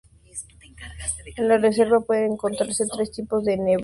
En la reserva pueden encontrarse tres tipos de enebros, robles georgianos y granados.